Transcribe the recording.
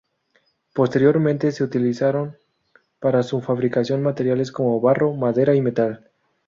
Posteriormente se utilizaron para su fabricación materiales como barro, madera y metal.